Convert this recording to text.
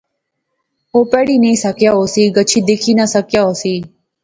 او پڑھی نی سکیا ہوسی گچھی دیکھی نہ سکیا ہوسی